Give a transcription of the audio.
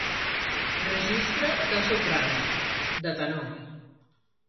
Registre de 'soprano', de tenor.